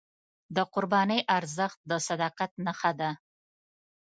د قربانۍ ارزښت د صداقت نښه ده.